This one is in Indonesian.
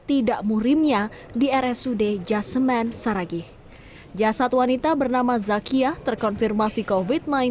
tidak murimnya di rsud jasmen saragih jasad wanita bernama zakia terkonfirmasi covid sembilan belas